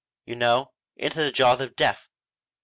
You know into the jaws of death!